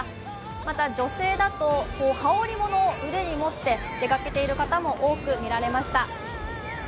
また、女性だと、羽織り物を腕に持って出かけてらっしゃる方もいました。